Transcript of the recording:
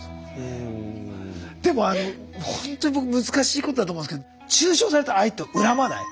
でもほんとに僕難しいことだと思うんですけど中傷された相手を恨まない。